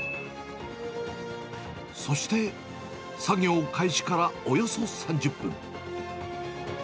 そして、作業開始からおよそ３０分。